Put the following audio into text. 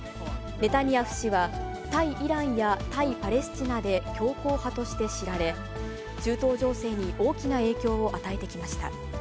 ネタニヤフ氏は、対イランや対パレスチナで強硬派と知られ、中東情勢に大きな影響を与えてきました。